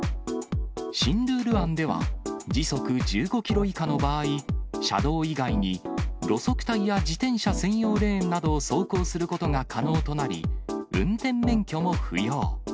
新ルール案では時速１５キロ以下の場合、車道以外に路側帯や自転車専用レーンなどを走行することが可能となり、運転免許も不要。